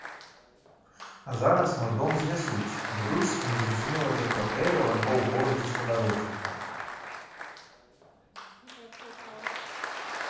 А зараз мой дом знясуць, дадуць незразумела дзе кватэру альбо ў горадзе-спадарожніку.